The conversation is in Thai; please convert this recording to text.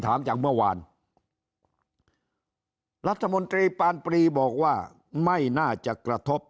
ถามจากเมื่อวานรัฐมนตรีปานปรีบอกว่าไม่น่าจะกระทบ